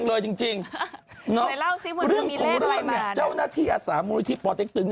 เรื่องของเรื่องนี้เจ้าหน้าที่อาสาบมูลนิธิปลอร์เต็กตึง